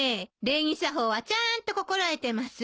礼儀作法はちゃんと心得てます。